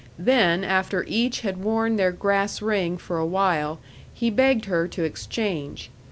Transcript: Then, after each had worn their grass ring for a while, he begged her to exchange.